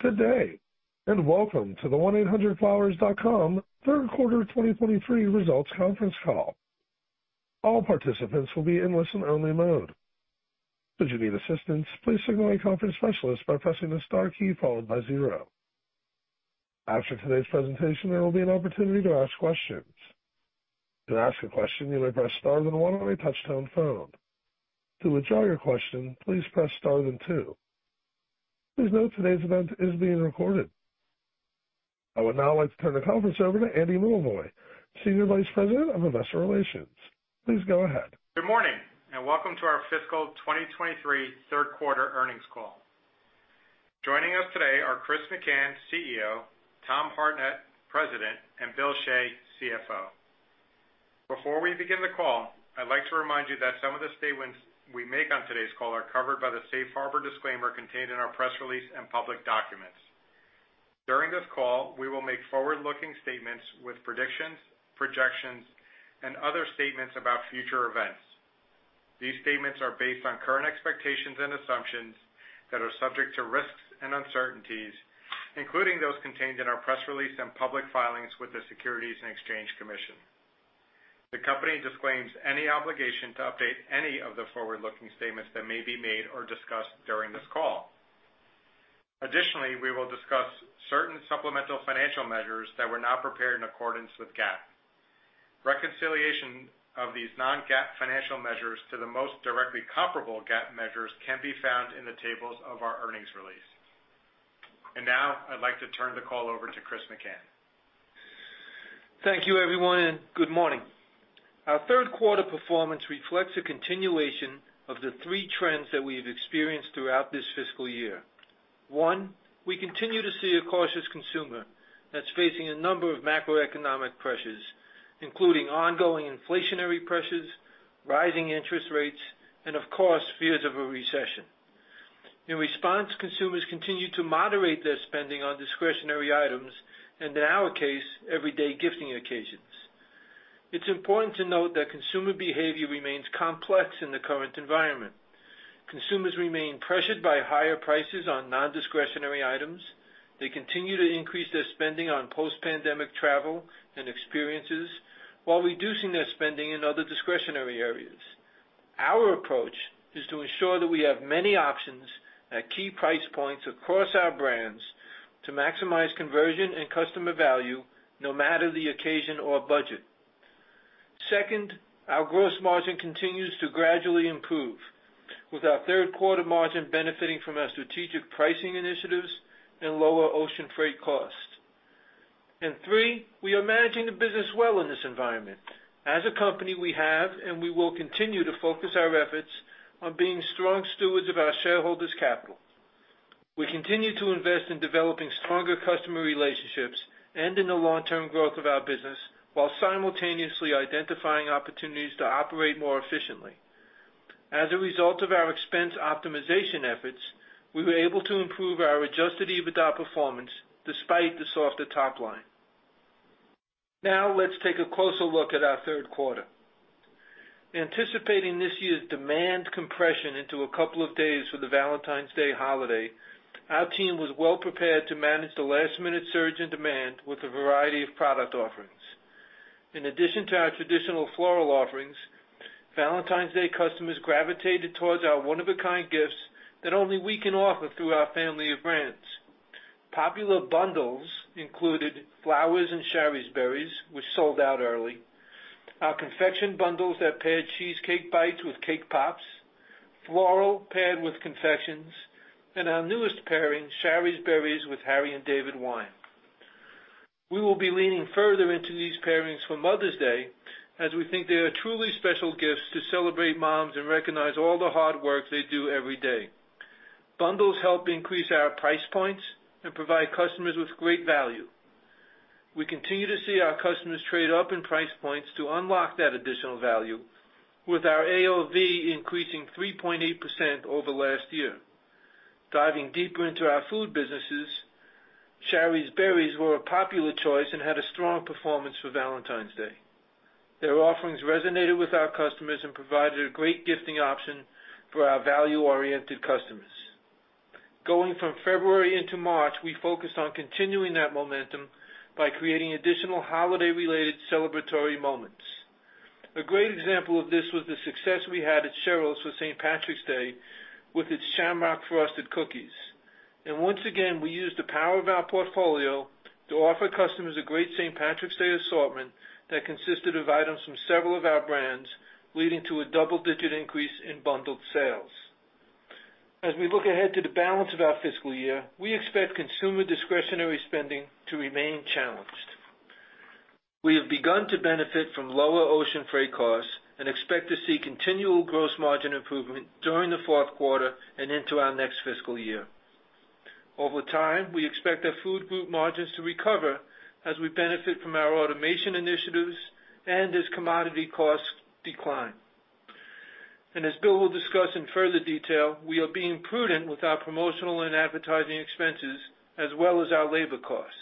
Good day, and welcome to the 1-800-FLOWERS.COM third quarter 2023 results conference call. All participants will be in listen-only mode. Should you need assistance, please signal a conference specialist by pressing the star key followed by zero. After today's presentation, there will be an opportunity to ask questions. To ask a question, you may press star then one on your touchtone phone. To withdraw your question, please press star then two. Please note today's event is being recorded. I would now like to turn the conference over to Andy Milevoj, Senior Vice President of Investor Relations. Please go ahead. Good morning, welcome to our fiscal 2023 third quarter earnings call. Joining us today are Chris McCann, CEO, Tom Hartnett, President, and Bill Shea, CFO. Before we begin the call, I'd like to remind you that some of the statements we make on today's call are covered by the Safe Harbor disclaimer contained in our press release and public documents. During this call, we will make forward-looking statements with predictions, projections, and other statements about future events. These statements are based on current expectations and assumptions that are subject to risks and uncertainties, including those contained in our press release and public filings with the Securities and Exchange Commission. The company disclaims any obligation to update any of the forward-looking statements that may be made or discussed during this call. Additionally, we will discuss certain supplemental financial measures that were not prepared in accordance with GAAP. Reconciliation of these non-GAAP financial measures to the most directly comparable GAAP measures can be found in the tables of our earnings release. Now I'd like to turn the call over to Chris McCann. Thank you, everyone, and good morning. Our third quarter performance reflects a continuation of the three trends that we have experienced throughout this fiscal year. One, we continue to see a cautious consumer that's facing a number of macroeconomic pressures, including ongoing inflationary pressures, rising interest rates, and of course, fears of a recession. In response, consumers continue to moderate their spending on discretionary items and in our case, everyday gifting occasions. It's important to note that consumer behavior remains complex in the current environment. Consumers remain pressured by higher prices on nondiscretionary items. They continue to increase their spending on post-pandemic travel and experiences while reducing their spending in other discretionary areas. Our approach is to ensure that we have many options at key price points across our brands to maximize conversion and customer value, no matter the occasion or budget. Second, our gross margin continues to gradually improve, with our third quarter margin benefiting from our strategic pricing initiatives and lower ocean freight costs. Three, we are managing the business well in this environment. As a company, we have, and we will continue to focus our efforts on being strong stewards of our shareholders' capital. We continue to invest in developing stronger customer relationships and in the long-term growth of our business, while simultaneously identifying opportunities to operate more efficiently. As a result of our expense optimization efforts, we were able to improve our Adjusted EBITDA performance despite the softer top line. Now, let's take a closer look at our third quarter. Anticipating this year's demand compression into a couple of days for the Valentine's Day holiday, our team was well-prepared to manage the last-minute surge in demand with a variety of product offerings. In addition to our traditional floral offerings, Valentine's Day customers gravitated towards our one-of-a-kind gifts that only we can offer through our family of brands. Popular bundles included flowers and Shari's Berries, which sold out early, our confection bundles that paired cheesecake bites with cake pops, floral paired with confections, and our newest pairing, Shari's Berries with Harry & David wine. We will be leaning further into these pairings for Mother's Day as we think they are truly special gifts to celebrate moms and recognize all the hard work they do every day. Bundles help increase our price points and provide customers with great value. We continue to see our customers trade up in price points to unlock that additional value, with our AOV increasing 3.8% over last year. Diving deeper into our food businesses, Shari's Berries were a popular choice and had a strong performance for Valentine's Day. Their offerings resonated with our customers and provided a great gifting option for our value-oriented customers. Going from February into March, we focused on continuing that momentum by creating additional holiday-related celebratory moments. A great example of this was the success we had at Cheryl's for St. Patrick's Day with its shamrock-frosted cookies. Once again, we used the power of our portfolio to offer customers a great St. Patrick's Day assortment that consisted of items from several of our brands, leading to a double-digit increase in bundled sales. As we look ahead to the balance of our fiscal year, we expect consumer discretionary spending to remain challenged. We have begun to benefit from lower ocean freight costs and expect to see continual gross margin improvement during the fourth quarter and into our next fiscal year. Over time, we expect our food group margins to recover as we benefit from our automation initiatives and as commodity costs decline. As Bill will discuss in further detail, we are being prudent with our promotional and advertising expenses as well as our labor costs.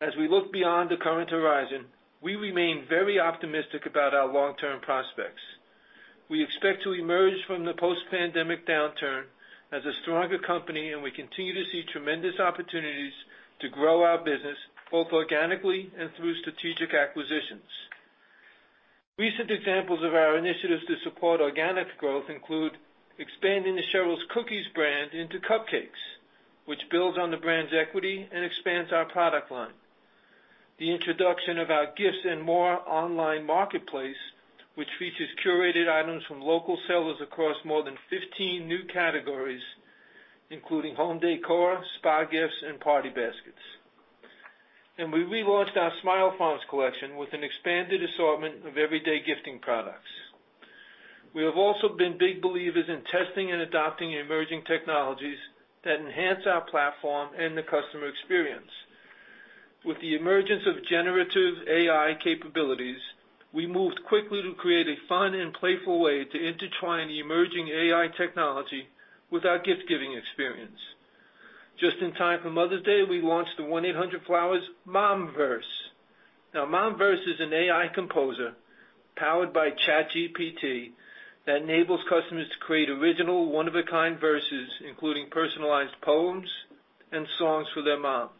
As we look beyond the current horizon, we remain very optimistic about our long-term prospects. We expect to emerge from the post-pandemic downturn as a stronger company, and we continue to see tremendous opportunities to grow our business, both organically and through strategic acquisitions. Recent examples of our initiatives to support organic growth include expanding the Cheryl's Cookies brand into cupcakes, which builds on the brand's equity and expands our product line. The introduction of our Gifts & More online marketplace, which features curated items from local sellers across more than 15 new categories, including home decor, spa gifts, and party baskets. We relaunched our Smile Farms collection with an expanded assortment of everyday gifting products. We have also been big believers in testing and adopting emerging technologies that enhance our platform and the customer experience. With the emergence of generative AI capabilities, we moved quickly to create a fun and playful way to intertwine the emerging AI technology with our gift-giving experience. Just in time for Mother's Day, we launched the 1-800-FLOWERS.COM MomVerse. MomVerse is an AI composer powered by ChatGPT that enables customers to create original one-of-a-kind verses, including personalized poems and songs for their moms.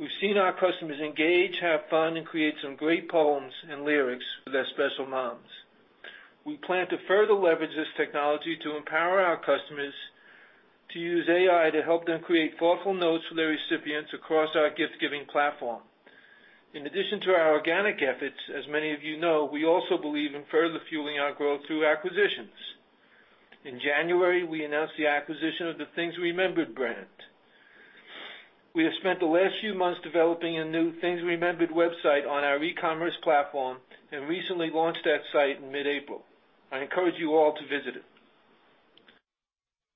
We've seen our customers engage, have fun, and create some great poems and lyrics for their special moms. We plan to further leverage this technology to empower our customers to use AI to help them create thoughtful notes for their recipients across our gift-giving platform. In addition to our organic efforts, as many of you know, we also believe in further fueling our growth through acquisitions. In January, we announced the acquisition of the Things Remembered brand. We have spent the last few months developing a new Things Remembered website on our e-commerce platform and recently launched that site in mid-April. I encourage you all to visit it.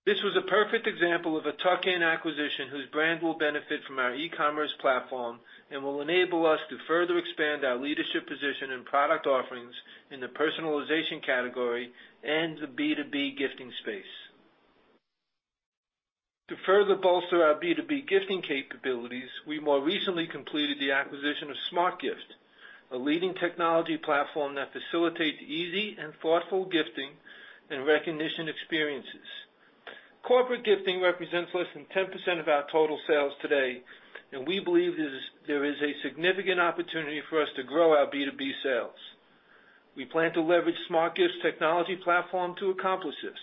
This was a perfect example of a tuck-in acquisition whose brand will benefit from our e-commerce platform and will enable us to further expand our leadership position and product offerings in the personalization category and the B2B gifting space. To further bolster our B2B gifting capabilities, we more recently completed the acquisition of SmartGift, a leading technology platform that facilitates easy and thoughtful gifting and recognition experiences. Corporate gifting represents less than 10% of our total sales today. We believe there is a significant opportunity for us to grow our B2B sales. We plan to leverage SmartGift's technology platform to accomplish this.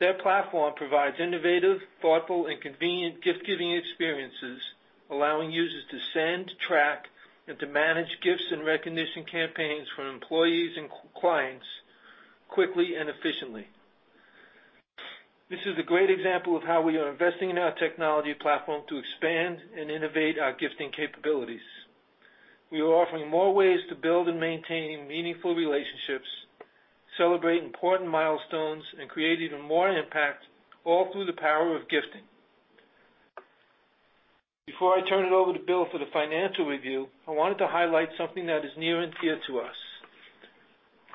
Their platform provides innovative, thoughtful, and convenient gift-giving experiences, allowing users to send, track, and to manage gifts and recognition campaigns from employees and clients quickly and efficiently. This is a great example of how we are investing in our technology platform to expand and innovate our gifting capabilities. We are offering more ways to build and maintain meaningful relationships, celebrate important milestones, and create even more impact, all through the power of gifting. Before I turn it over to Bill for the financial review, I wanted to highlight something that is near and dear to us.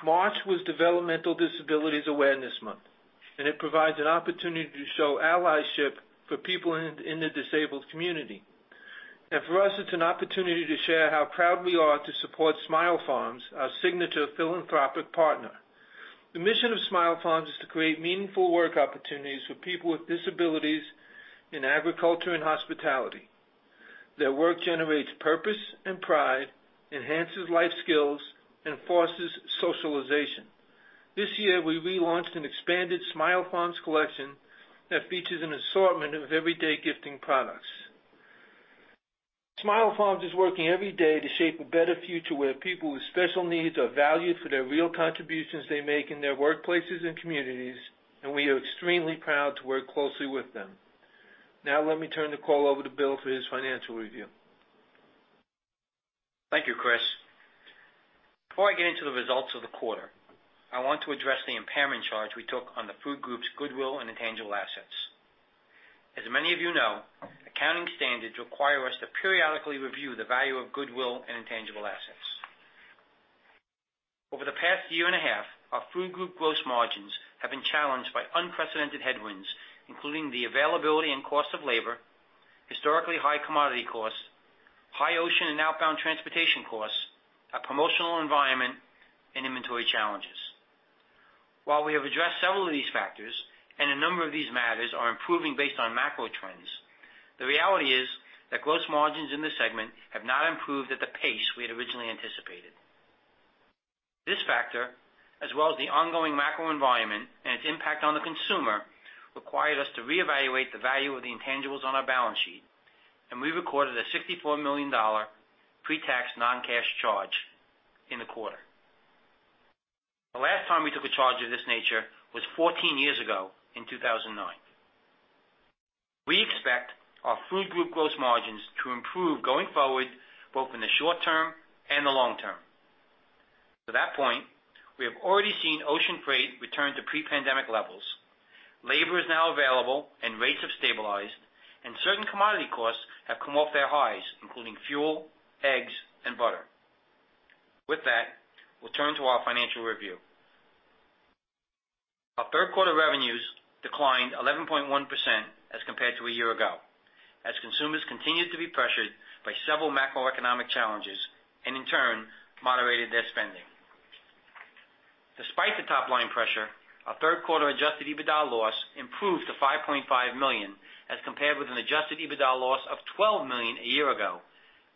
March was Developmental Disabilities Awareness Month. It provides an opportunity to show allyship for people in the disabled community. For us, it's an opportunity to share how proud we are to support Smile Farms, our signature philanthropic partner. The mission of Smile Farms is to create meaningful work opportunities for people with disabilities in agriculture and hospitality. Their work generates purpose and pride, enhances life skills, and fosters socialization. This year, we relaunched an expanded Smile Farms collection that features an assortment of everyday gifting products. Smile Farms is working every day to shape a better future where people with special needs are valued for their real contributions they make in their workplaces and communities. We are extremely proud to work closely with them. Now, let me turn the call over to Bill for his financial review. Thank you, Chris. Before I get into the results of the quarter, I want to address the impairment charge we took on the food group's goodwill and intangible assets. As many of you know, accounting standards require us to periodically review the value of goodwill and intangible assets. Over the past year and a half, our food group gross margins have been challenged by unprecedented headwinds, including the availability and cost of labor, historically high commodity costs, high ocean and outbound transportation costs, our promotional environment, and inventory challenges. While we have addressed several of these factors, and a number of these matters are improving based on macro trends, the reality is that gross margins in this segment have not improved at the pace we had originally anticipated. This factor, as well as the ongoing macro environment and its impact on the consumer, required us to reevaluate the value of the intangibles on our balance sheet, and we recorded a $64 million pre-tax non-cash charge in the quarter. The last time we took a charge of this nature was 14 years ago in 2009. We expect our food group gross margins to improve going forward, both in the short term and the long term. To that point, we have already seen ocean freight return to pre-pandemic levels. Labor is now available and rates have stabilized, and certain commodity costs have come off their highs, including fuel, eggs, and butter. With that, we'll turn to our financial review. Our third quarter revenues declined 11.1% as compared to a year ago, as consumers continued to be pressured by several macroeconomic challenges and in turn moderated their spending. Despite the top line pressure, our third quarter Adjusted EBITDA loss improved to $5.5 million, as compared with an Adjusted EBITDA loss of $12 million a year ago,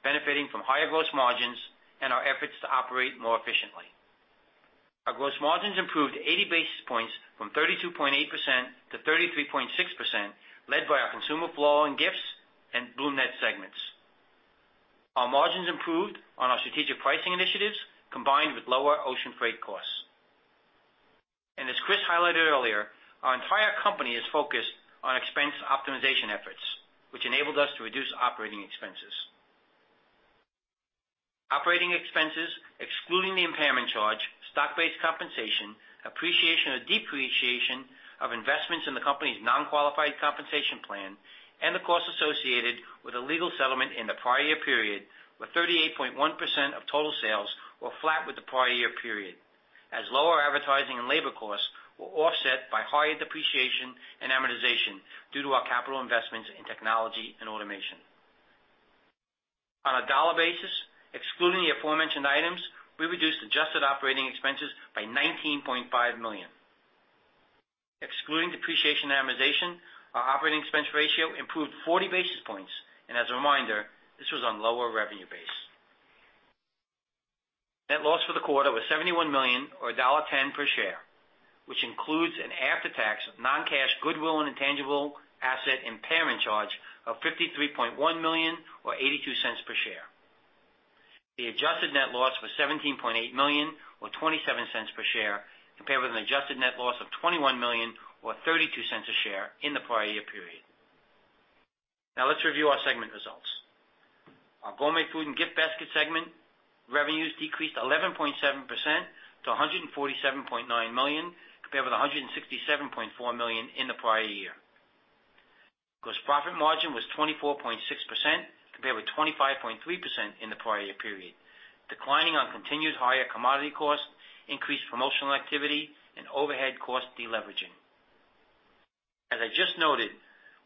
benefiting from higher gross margins and our efforts to operate more efficiently. Our gross margins improved 80 basis points from 32.8% to 33.6%, led by our Consumer Floral and Gifts and BloomNet segments. Our margins improved on our strategic pricing initiatives, combined with lower ocean freight costs. As Chris highlighted earlier, our entire company is focused on expense optimization efforts, which enabled us to reduce operating expenses. Operating expenses, excluding the impairment charge, stock-based compensation, appreciation or depreciation of investments in the company's non-qualified compensation plan, and the costs associated with a legal settlement in the prior year period were 38.1% of total sales or flat with the prior year period, as lower advertising and labor costs were offset by higher depreciation and amortization due to our capital investments in technology and automation. On a dollar basis, excluding the aforementioned items, we reduced adjusted operating expenses by $19.5 million. Excluding depreciation and amortization, our operating expense ratio improved 40 basis points. As a reminder, this was on lower revenue base. Net loss for the quarter was $71 million or $1.10 per share, which includes an after-tax non-cash goodwill and intangible asset impairment charge of $53.1 million or $0.82 per share. The adjusted net loss was $17.8 million or $0.27 per share, compared with an adjusted net loss of $21 million or $0.32 a share in the prior year period. Now, let's review our segment results. Our Gourmet Food and Gift Baskets segment revenues decreased 11.7% to $147.9 million, compared with $167.4 million in the prior year. Gross profit margin was 24.6% compared with 25.3% in the prior year period, declining on continued higher commodity costs, increased promotional activity and overhead cost deleveraging. As I just noted,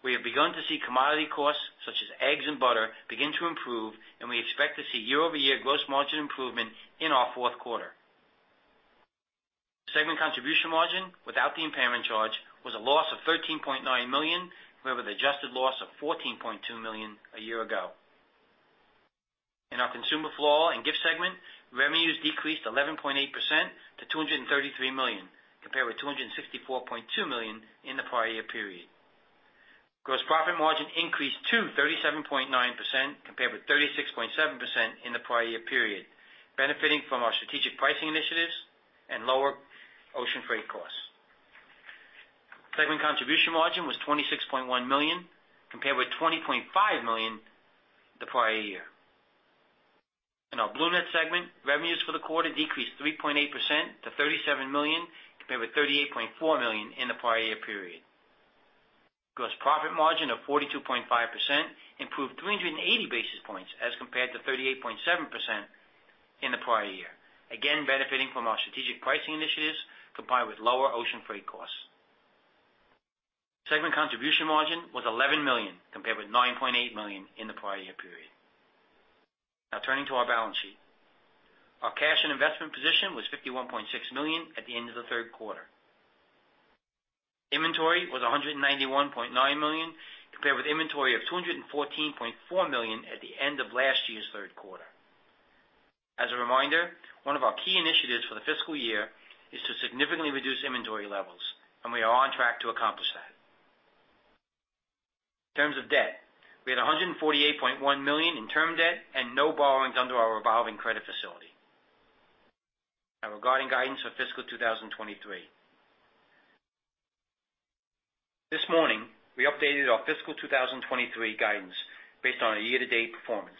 we have begun to see commodity costs such as eggs and butter begin to improve, and we expect to see year-over-year gross margin improvement in our fourth quarter. Segment contribution margin without the impairment charge was a loss of $13.9 million, compared with adjusted loss of $14.2 million a year ago. In our Consumer Floral and Gifts segment, revenues decreased 11.8% to $233 million, compared with $264.2 million in the prior year period. Gross profit margin increased to 37.9% compared with 36.7% in the prior year period, benefiting from our strategic pricing initiatives and lower ocean freight costs. Segment contribution margin was $26.1 million, compared with $20.5 million the prior year. In our BloomNet segment, revenues for the quarter decreased 3.8% to $37 million, compared with $38.4 million in the prior year period. Gross profit margin of 42.5% improved 380 basis points as compared to 38.7% in the prior year, again benefiting from our strategic pricing initiatives combined with lower ocean freight costs. Segment contribution margin was $11 million, compared with $9.8 million in the prior year period. Turning to our balance sheet. Our cash and investment position was $51.6 million at the end of the third quarter. Inventory was $191.9 million, compared with inventory of $214.4 million at the end of last year's third quarter. As a reminder, one of our key initiatives for the fiscal year is to significantly reduce inventory levels, and we are on track to accomplish that. In terms of debt, we had $148.1 million in term debt and no borrowings under our revolving credit facility. Regarding guidance for fiscal 2023. This morning, we updated our fiscal 2023 guidance based on our year-to-date performance.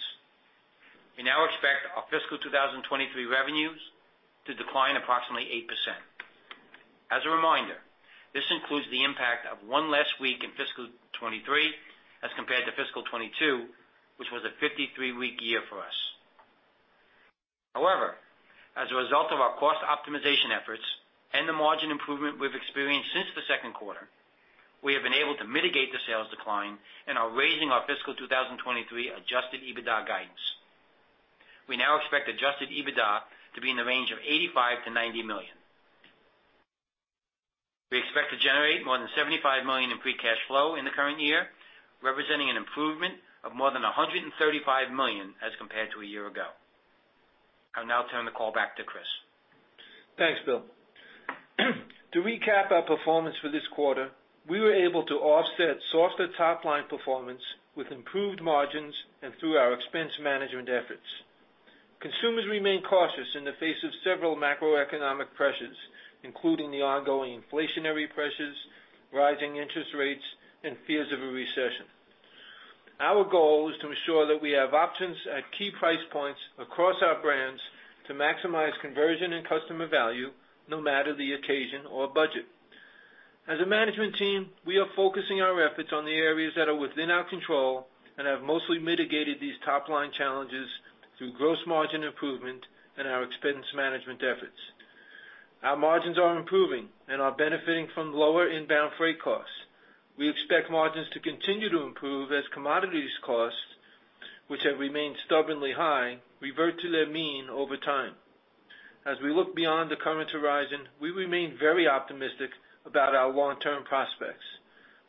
We now expect our fiscal 2023 revenues to decline approximately 8%. As a reminder, this includes the impact of one less week in fiscal 2023 as compared to fiscal 2022, which was a 53-week year for us. As a result of our cost optimization efforts and the margin improvement we've experienced since the second quarter, we have been able to mitigate the sales decline and are raising our fiscal 2023 Adjusted EBITDA guidance. We now expect Adjusted EBITDA to be in the range of $85 million-$90 million. We expect to generate more than $75 million in free cash flow in the current year, representing an improvement of more than $135 million as compared to a year ago. I'll now turn the call back to Chris. Thanks, Bill. To recap our performance for this quarter, we were able to offset softer top-line performance with improved margins and through our expense management efforts. Consumers remain cautious in the face of several macroeconomic pressures, including the ongoing inflationary pressures, rising interest rates, and fears of a recession. Our goal is to ensure that we have options at key price points across our brands to maximize conversion and customer value, no matter the occasion or budget. As a management team, we are focusing our efforts on the areas that are within our control and have mostly mitigated these top-line challenges through gross margin improvement and our expense management efforts. Our margins are improving and are benefiting from lower inbound freight costs. We expect margins to continue to improve as commodities costs, which have remained stubbornly high, revert to their mean over time. As we look beyond the current horizon, we remain very optimistic about our long-term prospects.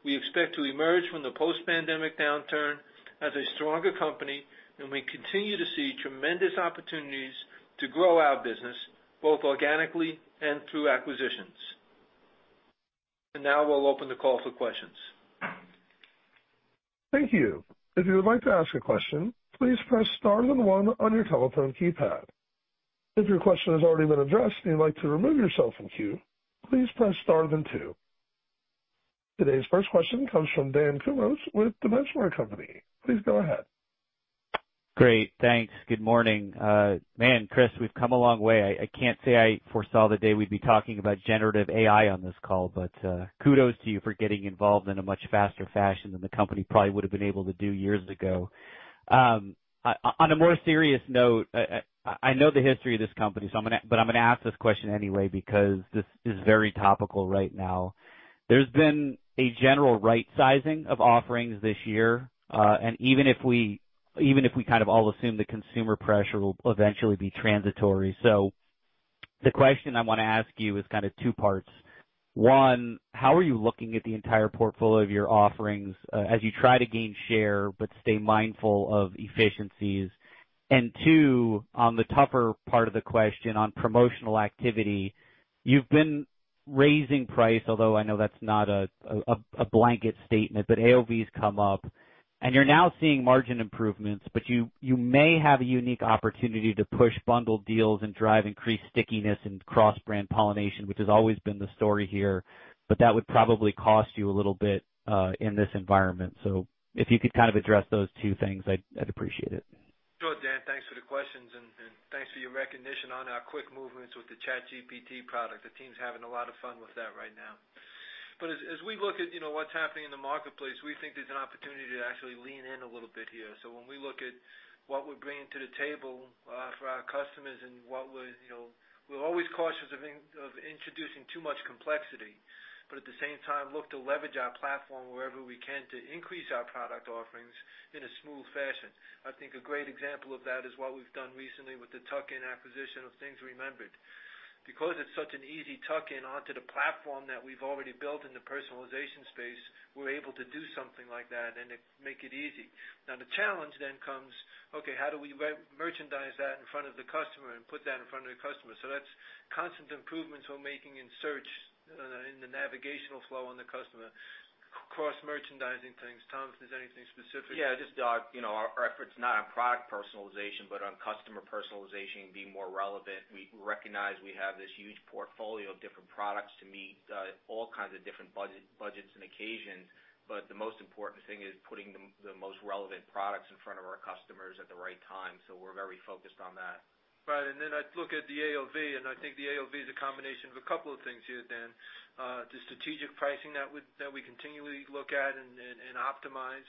We expect to emerge from the post-pandemic downturn as a stronger company, and we continue to see tremendous opportunities to grow our business, both organically and through acquisitions. Now we'll open the call for questions. Thank you. If you would like to ask a question, please press star then one on your telephone keypad. If your question has already been addressed and you'd like to remove yourself from queue, please press star then two. Today's first question comes from Dan Kurnos with The Benchmark Company. Please go ahead. Great. Thanks. Good morning. Man, Chris, we've come a long way. I can't say I foresaw the day we'd be talking about generative AI on this call, but kudos to you for getting involved in a much faster fashion than the company probably would have been able to do years ago. On a more serious note, I know the history of this company, so I'm gonna ask this question anyway because this is very topical right now. There's been a general right sizing of offerings this year, and even if we, even if we kind of all assume the consumer pressure will eventually be transitory. The question I wanna ask you is kind of two parts. One, how are you looking at the entire portfolio of your offerings, as you try to gain share, but stay mindful of efficiencies? Two, on the tougher part of the question on promotional activity, you've been raising price, although I know that's not a, a blanket statement, but AOV has come up, and you're now seeing margin improvements. You, you may have a unique opportunity to push bundled deals and drive increased stickiness and cross brand pollination, which has always been the story here, but that would probably cost you a little bit in this environment. If you could kind of address those two things, I'd appreciate it. Sure, Dan, thanks for the questions, and thanks for your recognition on our quick movements with the ChatGPT product. The team's having a lot of fun with that right now. As we look at, you know, what's happening in the marketplace, we think there's an opportunity to actually lean in a little bit here. When we look at what we're bringing to the table for our customers and we're always cautious of introducing too much complexity, but at the same time, look to leverage our platform wherever we can to increase our product offerings in a smooth fashion. I think a great example of that is what we've done recently with the tuck-in acquisition of Things Remembered. It's such an easy tuck-in onto the platform that we've already built in the personalization space, we're able to do something like that and it make it easy. The challenge then comes, okay, how do we merchandise that in front of the customer and put that in front of the customer? That's constant improvements we're making in search, in the navigational flow on the customer, cross-merchandising things. Tom, if there's anything specific. Just, you know, our efforts, not on product personalization, but on customer personalization being more relevant. We recognize we have this huge portfolio of different products to meet all kinds of different budgets and occasions, but the most important thing is putting the most relevant products in front of our customers at the right time. We're very focused on that. Right. I look at the AOV, and I think the AOV is a combination of a couple of things here, Dan. The strategic pricing that we continually look at and optimize,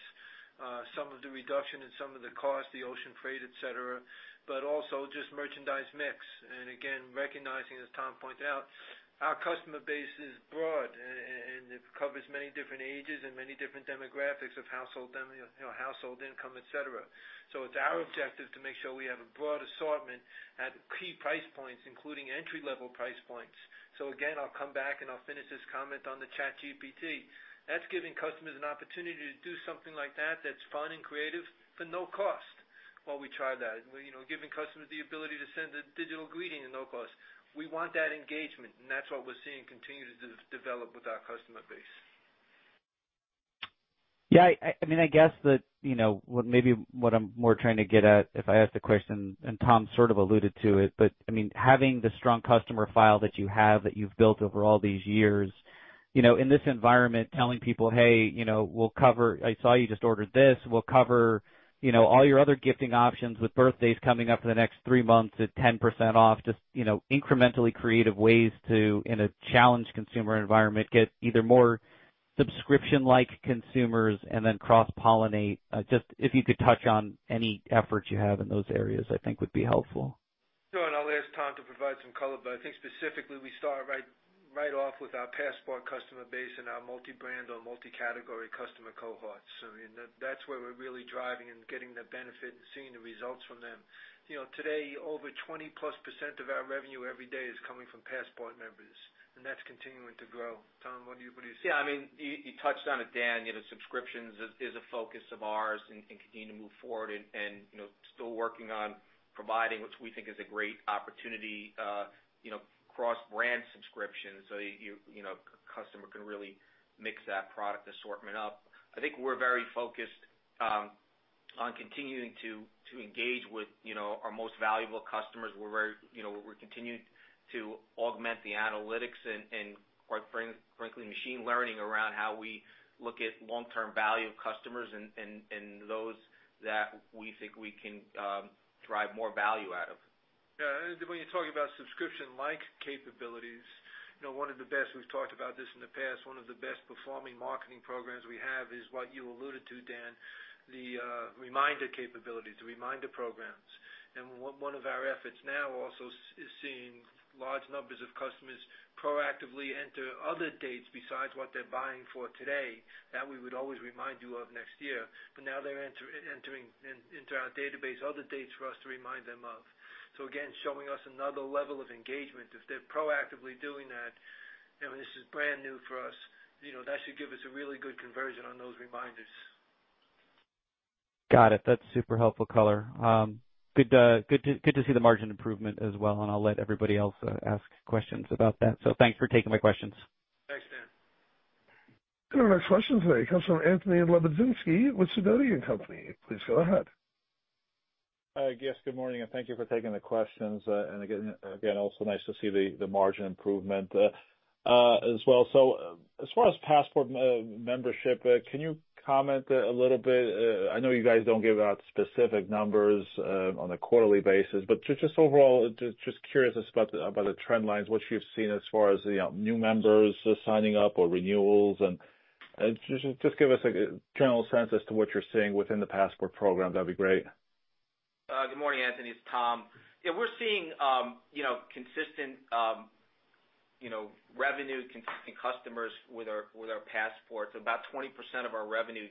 some of the reduction in some of the cost, the ocean freight, et cetera, but also just merchandise mix. Again, recognizing, as Tom pointed out, our customer base is broad and it covers many different ages and many different demographics of, you know, household income, et cetera. It's our objective to make sure we have a broad assortment at key price points, including entry-level price points. Again, I'll come back, and I'll finish this comment on the ChatGPT. That's giving customers an opportunity to do something like that that's fun and creative for no cost while we try that. You know, giving customers the ability to send a digital greeting at no cost. We want that engagement, and that's what we're seeing continue to de-develop with our customer base. I mean, I guess that, you know, what maybe what I'm more trying to get at, if I ask the question, and Tom sort of alluded to it, but, I mean, having the strong customer file that you have, that you've built over all these years, you know, in this environment, telling people, "Hey, you know, we'll cover... I saw you just ordered this. We'll cover, you know, all your other gifting options with birthdays coming up in the next three months at 10% off." Just, you know, incrementally creative ways to, in a challenged consumer environment, get either more subscription-like consumers and then cross-pollinate. Just if you could touch on any efforts you have in those areas, I think would be helpful. Sure. I'll ask Tom to provide some color, but I think specifically we start right off with our Passport customer base and our multi-brand or multi-category customer cohorts. I mean, that's where we're really driving and getting the benefit and seeing the results from them. You know, today, over 20+% of our revenue every day is coming from Passport members, and that's continuing to grow. Tom, what do you see? Yeah. I mean, you touched on it, Dan, you know, subscriptions is a focus of ours and continue to move forward and, you know, still working on providing, which we think is a great opportunity, you know, cross-brand subscriptions. You, you know, customer can really mix that product assortment up. I think we're very focused on continuing to engage with, you know, our most valuable customers, where, you know, we're continuing to augment the analytics and quite frankly, machine learning around how we look at long-term value of customers and those that we think we can drive more value out of. Yeah, when you're talking about subscription-like capabilities, you know, one of the best, we've talked about this in the past, performing marketing programs we have is what you alluded to, Dan, the reminder capability, the reminder programs. One of our efforts now also is seeing large numbers of customers proactively enter other dates besides what they're buying for today, that we would always remind you of next year. Now they're entering into our database other dates for us to remind them of. Again, showing us another level of engagement. If they're proactively doing that, you know, this is brand new for us, you know, that should give us a really good conversion on those reminders. Got it. That's super helpful color. good to see the margin improvement as well, and I'll let everybody else, ask questions about that. Thanks for taking my questions. Thanks, Dan. Our next question today comes from Anthony Lebiedzinski with Sidoti & Company. Please go ahead. Hi, guys. Good morning, and thank you for taking the questions. And again, also nice to see the margin improvement as well. As far as Passport membership, can you comment a little bit, I know you guys don't give out specific numbers on a quarterly basis, but just overall, curious about the trend lines, what you've seen as far as, you know, new members signing up or renewals? Just give us a general sense as to what you're seeing within the Passport program. That'd be great. Good morning, Anthony. It's Tom. Yeah, we're seeing, you know, consistent, you know, revenue, consistent customers with our Passport. About 20% of our revenue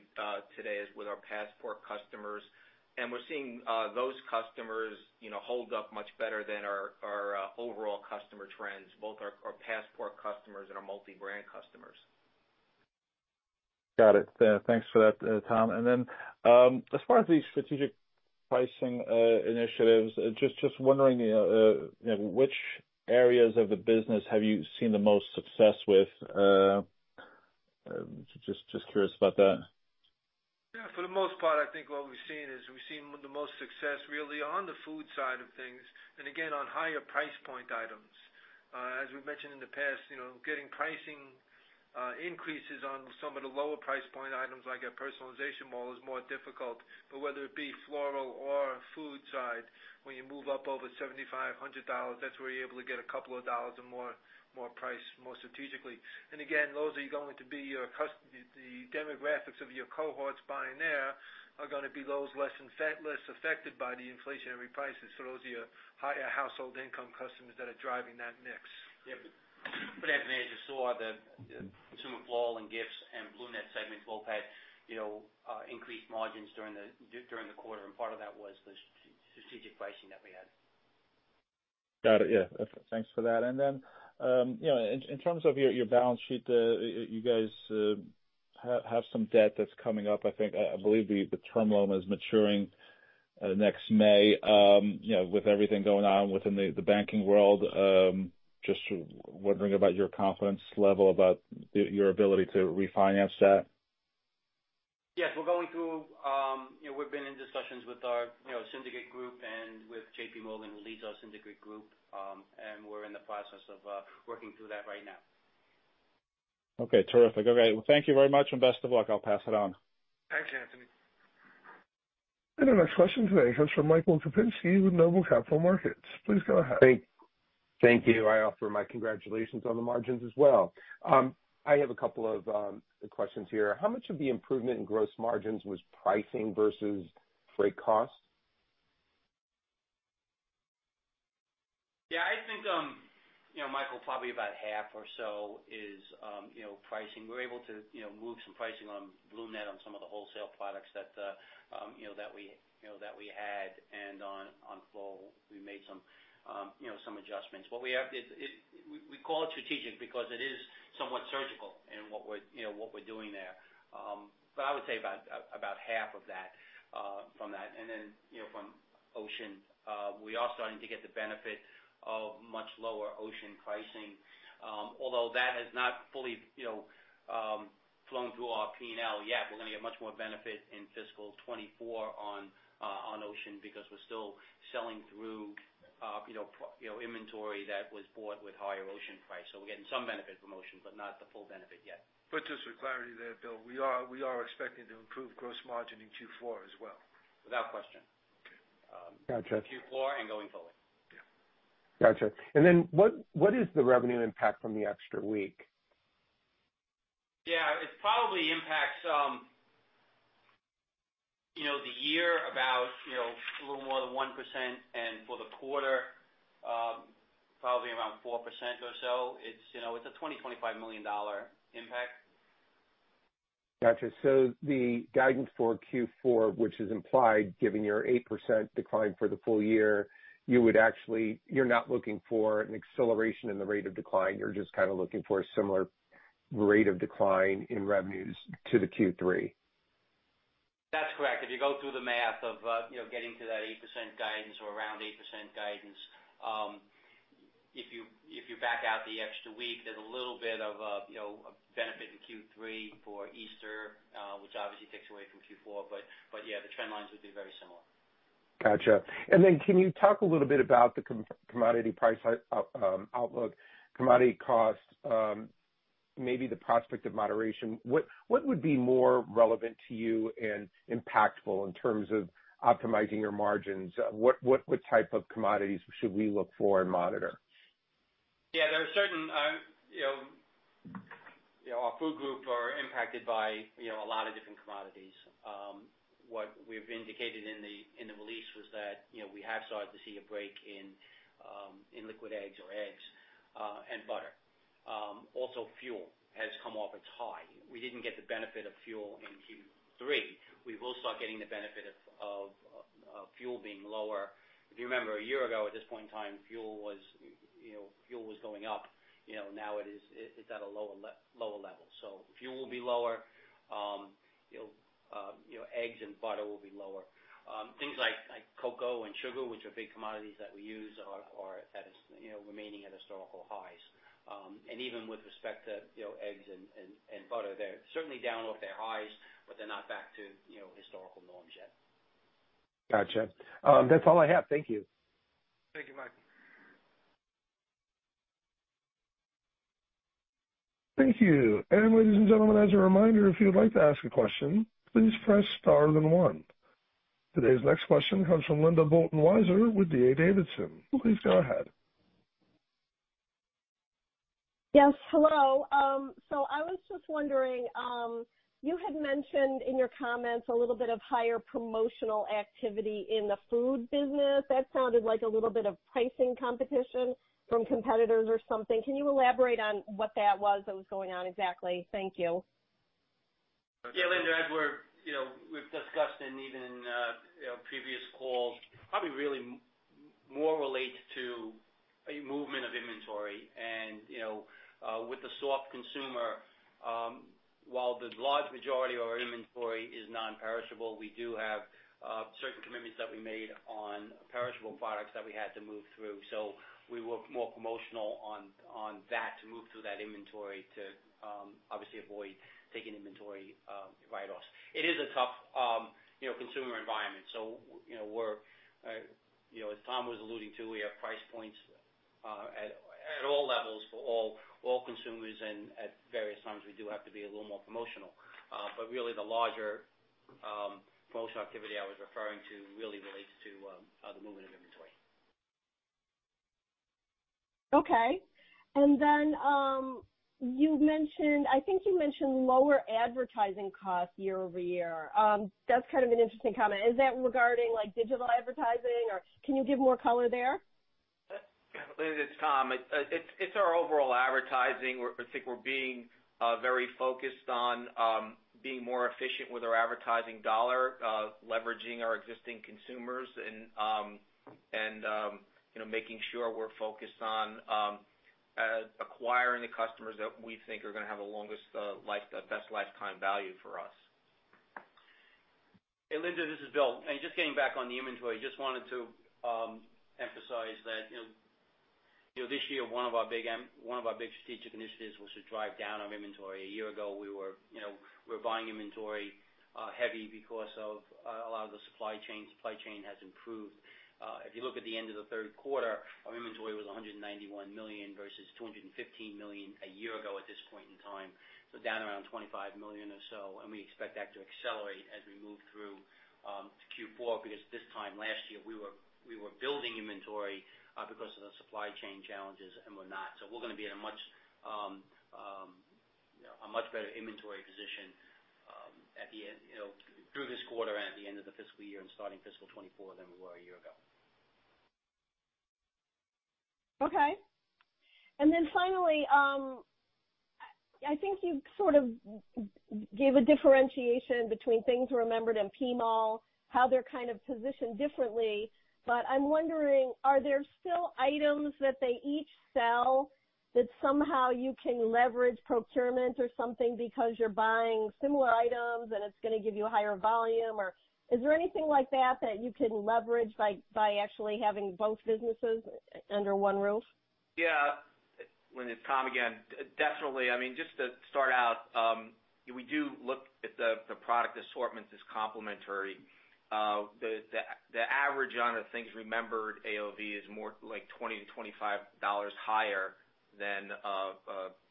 today is with our Passport customers. We're seeing, those customers, you know, hold up much better than our overall customer trends, both our Passport customers and our multi-brand customers. Got it. Yeah, thanks for that, Tom. As far as the strategic pricing initiatives, just wondering, you know, which areas of the business have you seen the most success with? Just curious about that. Yeah, for the most part, I think what we've seen is we've seen the most success really on the food side of things, and again, on higher price point items. As we've mentioned in the past, you know, getting pricing, increases on some of the lower price point items like our Personalization Mall is more difficult. Whether it be floral or food side, when you move up over $75-$100, that's where you're able to get a couple of dollars or more, more price more strategically. Again, those are going to be your the demographics of your cohorts buying there are gonna be those less affected by the inflationary prices. Those are your higher household income customers that are driving that mix. Yeah. Anthony, as you saw, the Consumer Floral and Gifts and BloomNet segment both had, you know, increased margins during the quarter, and part of that was the strategic pricing that we had. Got it. Yeah. Thanks for that. You know, in terms of your balance sheet, you guys have some debt that's coming up. I think, I believe the term loan is maturing next May. You know, with everything going on within the banking world, just wondering about your confidence level about your ability to refinance that? Yes, we're going through, you know, we've been in discussions with our, you know, syndicate group and with JPMorgan, who leads our syndicate group, and we're in the process of working through that right now. Okay. Terrific. Okay. Thank you very much and best of luck. I'll pass it on. Thanks, Anthony. Our next question today comes from Michael Kupinski with Noble Capital Markets. Please go ahead. Thank you. I offer my congratulations on the margins as well. I have a couple of questions here. How much of the improvement in gross margins was pricing versus freight costs? Yeah, I think, you know, Michael, probably about half or so is, you know, pricing. We're able to, you know, move some pricing on BloomNet on some of the wholesale products that, you know, that we, you know, that we had. On, on flow, we made some, you know, some adjustments. What we have is, we call it strategic because it is somewhat surgical in what we're, you know, what we're doing there. I would say about half of that, from that. You know, from ocean, we are starting to get the benefit of much lower ocean pricing, although that has not fully, you know, flown through our P&L yet. We're gonna get much more benefit in fiscal 2024 on on ocean because we're still selling through, you know, inventory that was bought with higher ocean price. We're getting some benefit from ocean, but not the full benefit yet. just for clarity there, Bill, we are expecting to improve gross margin in Q4 as well. Without question. Okay. Gotcha. In Q4 and going forward. Yeah. Gotcha. What, what is the revenue impact from the extra week? Yeah. It probably impacts, you know, the year about, you know, a little more than 1%. For the quarter, probably around 4% or so. It's, you know, it's a $25 million impact. Gotcha. The guidance for Q4, which is implied given your 8% decline for the full year, you're not looking for an acceleration in the rate of decline. You're just kind of looking for a similar rate of decline in revenues to the Q3. That's correct. If you go through the math of, you know, getting to that 8% guidance or around 8% guidance, if you back out the extra week, there's a little bit of, you know, a benefit in Q3 for Easter, which obviously takes away from Q4. Yeah, the trend lines would be very similar. Gotcha. Then can you talk a little bit about commodity costs? Maybe the prospect of moderation. What would be more relevant to you and impactful in terms of optimizing your margins? What type of commodities should we look for and monitor? Yeah, there are certain, you know, you know, our food group are impacted by, you know, a lot of different commodities. What we've indicated in the, in the release was that, you know, we have started to see a break in liquid eggs or eggs and butter. Also fuel has come off its high. We didn't get the benefit of fuel in Q3. We will start getting the benefit of fuel being lower. If you remember a year ago, at this point in time, fuel was, you know, fuel was going up, you know, now it's at a lower level. Fuel will be lower, you know, you know, eggs and butter will be lower. Things like cocoa and sugar, which are big commodities that we use are at, you know, remaining at historical highs. Even with respect to, you know, eggs and butter, they're certainly down off their highs, but they're not back to, you know, historical norms yet. Gotcha. That's all I have. Thank you. Thank you, Mike. Thank you. ladies and gentlemen, as a reminder, if you'd like to ask a question, please press Star then 1. Today's next question comes from Linda Bolton-Weiser with D.A. Davidson. Please go ahead. Yes, hello. I was just wondering, you had mentioned in your comments a little bit of higher promotional activity in the food business. That sounded like a little bit of pricing competition from competitors or something. Can you elaborate on what that was that was going on exactly? Thank you. Yeah, Linda, as we're, you know, we've discussed and even, you know, previous calls probably really more relates to a movement of inventory. You know, with the soft consumer, while the large majority of our inventory is non-perishable, we do have certain commitments that we made on perishable products that we had to move through. We were more promotional on that to move through that inventory to obviously avoid taking inventory write-offs. It is a tough, you know, consumer environment. You know, we're, you know, as Tom was alluding to, we have price points at all levels for all consumers. At various times, we do have to be a little more promotional. Really, the larger promotional activity I was referring to really relates to the movement of inventory. Okay. You mentioned, I think you mentioned lower advertising costs year-over-year. That's kind of an interesting comment. Is that regarding like digital advertising? Can you give more color there? Linda, it's Tom. It's our overall advertising. I think we're being very focused on being more efficient with our advertising dollar, leveraging our existing consumers and, you know, making sure we're focused on acquiring the customers that we think are gonna have the longest life, the best lifetime value for us. Hey, Linda, this is Bill. Just getting back on the inventory, just wanted to emphasize that, you know, you know, this year, one of our big, one of our big strategic initiatives was to drive down our inventory. A year ago, we were, you know, we were buying inventory heavy because of a lot of the supply chain. Supply chain has improved. If you look at the end of the third quarter, our inventory was $191 million versus $215 million a year ago at this point in time. Down around $25 million or so, and we expect that to accelerate as we move through to Q4, because this time last year we were building inventory because of the supply chain challenges and we're not. We're gonna be in a much, you know, a much better inventory position, at the end, you know, through this quarter and at the end of the fiscal year and starting fiscal 2024 than we were a year ago. Okay. Finally, I think you sort of gave a differentiation between Things Remembered and PMall, how they're kind of positioned differently. I'm wondering, are there still items that they each sell that somehow you can leverage procurement or something because you're buying similar items and it's gonna give you a higher volume? Is there anything like that you can leverage by actually having both businesses under one roof? Yeah. Linda, it's Tom again. Definitely. I mean, just to start out, we do look at the product assortments as complementary. The average on a Things Remembered AOV is more like $20-$25 higher than a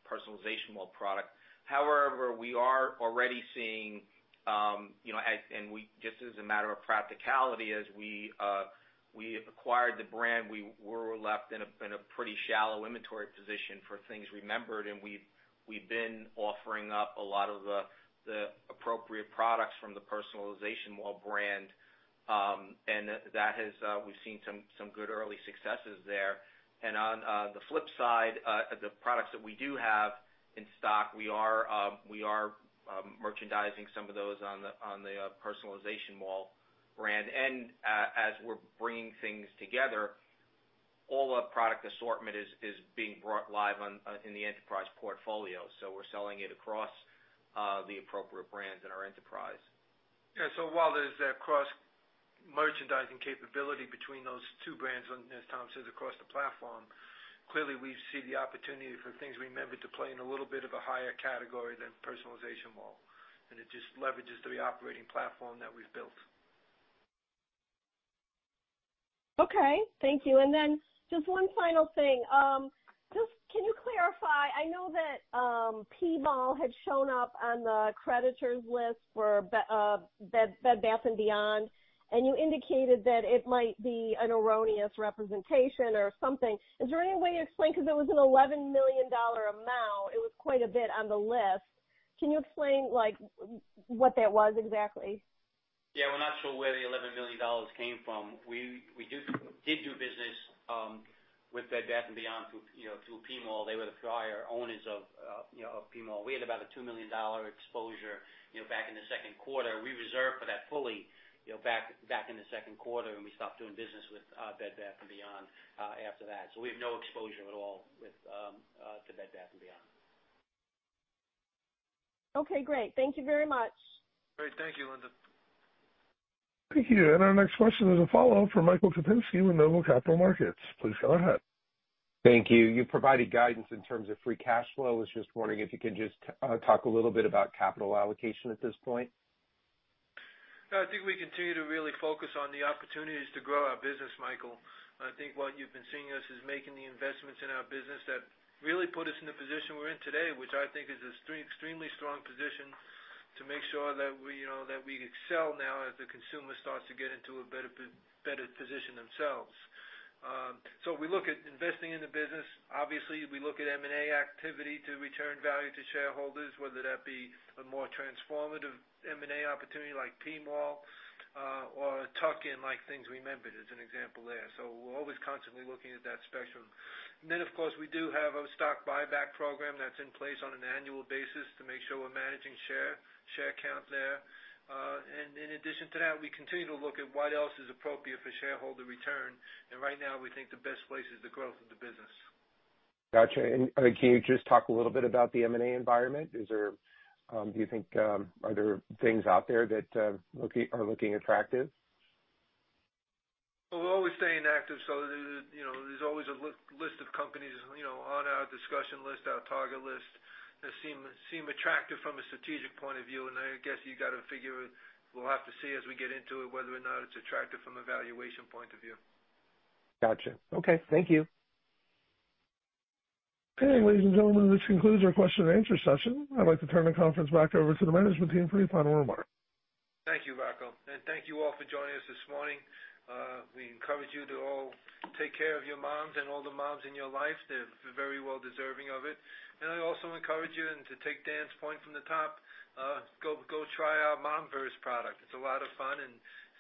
Personalization Mall product. However, we are already seeing, you know, and we just as a matter of practicality, as we acquired the brand, we were left in a pretty shallow inventory position for Things Remembered, and we've been offering up a lot of the appropriate products from the Personalization Mall brand. That has, we've seen some good early successes there. On the flip side, the products that we do have in stock, we are merchandising some of those on the Personalization Mall brand. As we're bringing things together, all our product assortment is being brought live on in the enterprise portfolio. We're selling it across the appropriate brands in our enterprise. Yeah. While there's that cross-merchandising capability between those two brands and as Tom says, across the platform, clearly we see the opportunity for Things Remembered to play in a little bit of a higher category than Personalization Mall. It just leverages the operating platform that we've built. Okay. Thank you. Then just one final thing. Just can you clarify, I know that PMall had shown up on the creditors list for Bed Bath & Beyond, and you indicated that it might be an erroneous representation or something. Is there any way you explain, 'cause it was an $11 million amount, it was quite a bit on the list? Can you explain, like, what that was exactly? We're not sure where the $11 million came from. We did do business with Bed Bath & Beyond through, you know, through PMall. They were the prior owners of, you know, of PMall. We had about a $2 million exposure, you know, back in the second quarter. We reserved for that fully, you know, back in the second quarter. We stopped doing business with Bed Bath & Beyond after that. We have no exposure at all to Bed Bath & Beyond. Okay, great. Thank you very much. Great. Thank you, Linda. Thank you. Our next question is a follow-up from Michael Kupinski with Noble Capital Markets. Please go ahead. Thank you. You provided guidance in terms of free cash flow. I was just wondering if you could just talk a little bit about capital allocation at this point. No, I think we continue to really focus on the opportunities to grow our business, Michael. I think what you've been seeing us is making the investments in our business that really put us in the position we're in today, which I think is extremely strong position to make sure that we, you know, that we excel now as the consumer starts to get into a better better position themselves. We look at investing in the business. Obviously, we look at M&A activity to return value to shareholders, whether that be a more transformative M&A opportunity like PMall, or a tuck-in like Things Remembered as an example there. We're always constantly looking at that spectrum. Of course, we do have a stock buyback program that's in place on an annual basis to make sure we're managing share count there. In addition to that, we continue to look at what else is appropriate for shareholder return. Right now, we think the best place is the growth of the business. Gotcha. Can you just talk a little bit about the M&A environment? Is there, do you think, are there things out there that are looking attractive? We're always staying active, so, you know, there's always a list of companies, you know, on our discussion list, our target list that seem attractive from a strategic point of view. I guess you gotta figure, we'll have to see as we get into it, whether or not it's attractive from a valuation point of view. Gotcha. Okay. Thank you. Okay, ladies and gentlemen, this concludes our question and answer session. I'd like to turn the conference back over to the management team for any final remarks. Thank you, Rocco, and thank you all for joining us this morning. We encourage you to all take care of your moms and all the moms in your life. They're very well deserving of it. I also encourage you and to take Dan's point from the top, go try our MomVerse product. It's a lot of fun.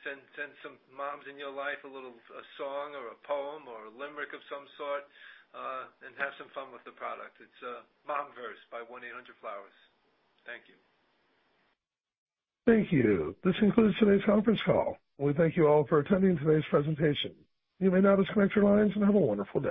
Send some moms in your life a little, a song or a poem or a limerick of some sort, and have some fun with the product. It's MomVerse by 1-800-FLOWERS. Thank you. Thank you. This concludes today's conference call, and we thank you all for attending today's presentation. You may now disconnect your lines and have a wonderful day.